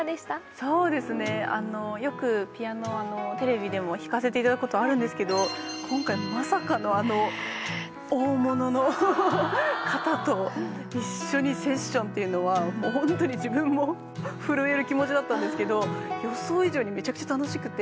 そうですねよくピアノをテレビでも弾かせていただくことあるんですけど今回まさかのあの大物の方と一緒にセッションっていうのはホントに自分も震える気持ちだったんですけど予想以上にめちゃくちゃ楽しくて。